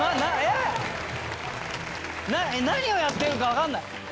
何をやってるか分かんない。